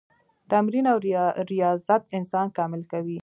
تمرین او ریاضت انسان کامل کوي.